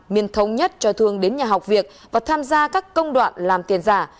miên thống nhất cho thương đến nhà học việc và tham gia các công đoạn làm tiền giả